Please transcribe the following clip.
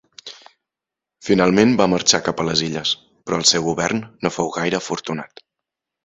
Finalment va marxar cap a les illes, però el seu govern no fou gaire afortunat.